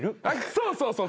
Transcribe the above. そうそうそう。